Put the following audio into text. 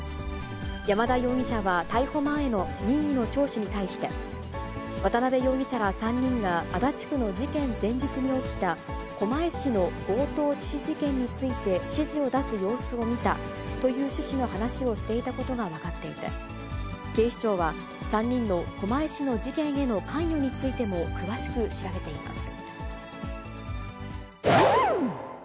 山田容疑者は逮捕前の任意の聴取に対して、渡辺容疑者ら３人が足立区の事件前日に起きた、狛江市の強盗致死事件について指示を出す様子を見たという趣旨の話をしていたことが分かっていて、警視庁は３人の狛江市の事件への関与についても詳しく調べています。